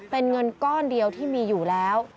เป็นเงินก้อนเดียวที่มีอยู่แล้ว